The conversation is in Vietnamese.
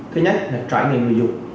thứ nhất là trái nghiệm người dùng